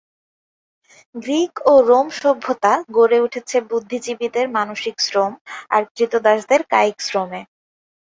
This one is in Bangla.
গ্রিক ও রোম সভ্যতা গড়ে উঠেছে বুদ্ধিজীবীদের মানসিক শ্রম আর ক্রীতদাসদের কায়িক শ্রমে।